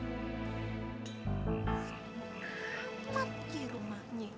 antigandungan pakai jentoloh jentoloh puation merekam itu